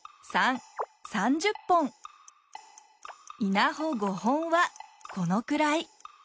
稲穂５本はこのくらい。